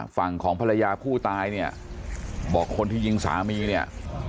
ฝั่งของภรรยาผู้ตายเนี่ยบอกคนที่ยิงสามีเนี่ย